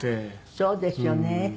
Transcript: そうですよね。